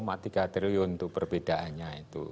cuma tiga triliun itu perbedaannya itu